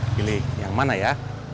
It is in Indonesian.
pilih yang mana ya